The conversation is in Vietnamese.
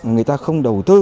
người ta không đầu tư